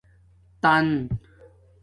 تن